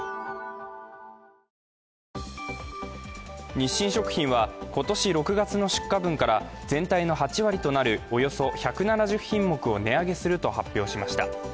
日清食品は今年６月の出荷分から全体の８割となるおよそ１７０品目を値上げすると発表しました。